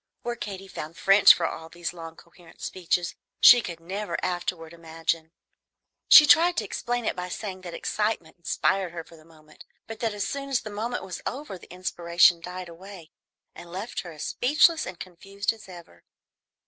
Where Katy found French for all these long coherent speeches, she could never afterward imagine. She tried to explain it by saying that excitement inspired her for the moment, but that as soon as the moment was over the inspiration died away and left her as speechless and confused as ever.